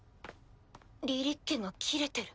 リリッケがキレてる。